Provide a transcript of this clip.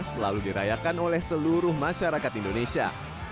selalu dirayakan oleh seluruh masyarakat indonesia